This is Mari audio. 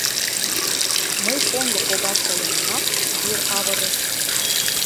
— Мый поҥго погаш толынамат, йӱр авырыш.